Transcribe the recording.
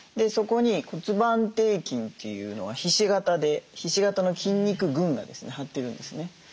そこに骨盤底筋というのがひし形でひし形の筋肉群がですね張ってるんですね。